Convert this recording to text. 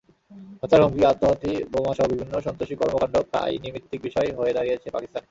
হত্যার হুমকি, আত্মঘাতী বোমাসহ বিভিন্ন সন্ত্রাসী কর্মকাণ্ড প্রায় নৈমিত্তিক বিষয় হয়ে দাঁড়িয়েছে পাকিস্তানে।